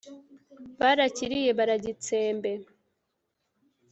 barakiriye baragitsembe